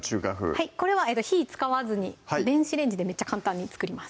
これは火使わずに電子レンジでめっちゃ簡単に作ります